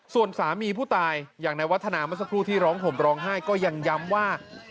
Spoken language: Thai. ส่วนสามีผู้ตายอย่างในวัฒนาเมื่อสักครู่ที่ร้องห่มร้องไห้ก็ยังย้ำว่า